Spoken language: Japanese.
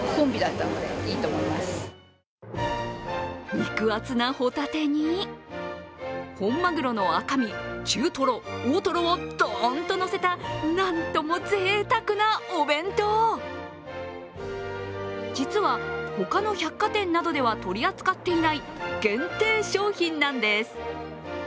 肉厚なホタテに、本まぐろの赤身中トロ、大トロをドーンとのせたなんともぜいたくなお弁当、実は他の百貨店などでは取り扱っていない限定商品なんです。